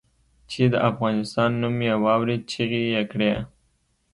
چې د افغانستان نوم یې واورېد چیغې یې کړې.